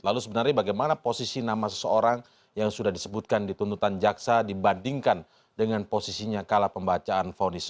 lalu sebenarnya bagaimana posisi nama seseorang yang sudah disebutkan di tuntutan jaksa dibandingkan dengan posisinya kala pembacaan fonis